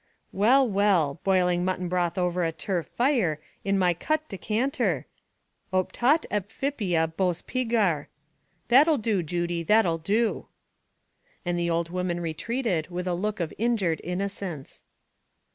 "Well, well; boiling mutton broth over a turf fire, in my cut decanter! 'optat ephippia bos piger.' That'll do, Judy, that'll do." And the old woman retreated with a look of injured innocence.